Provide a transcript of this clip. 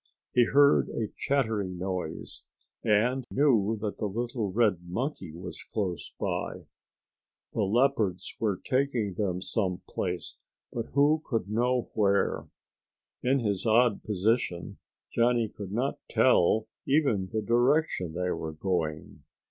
He heard a chattering noise, and knew that the little red monkey was close by. The leopards were taking them some place, but who could know where? In his odd position Johnny could not tell even the direction they were going.